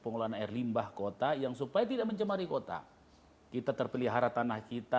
pengelolaan air limbah kota yang supaya tidak mencemari kota kita terpelihara tanah kita